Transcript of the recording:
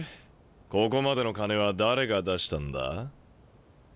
ここまでの金は誰が出したんだ？